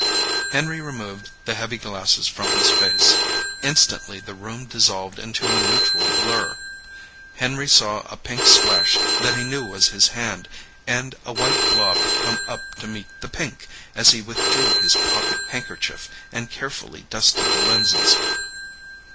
Henry removed the heavy glasses from his face. Instantly the room dissolved into a neutral blur. Henry saw a pink splash that he knew was his hand, and a white blob come up to meet the pink as he withdrew his pocket handkerchief and carefully dusted the lenses.